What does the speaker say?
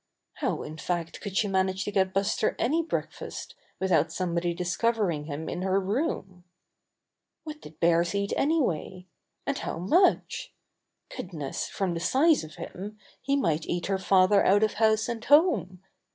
How, in fact, could she manage to get Buster any breakfast with out somebody discovering him in her room? What did bears eat anyway? And how much? Goodness, from the size of him, he might eat her father out of house and home!